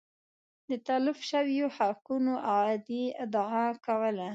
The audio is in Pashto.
د تلف شویو حقونو اعادې ادعا کوله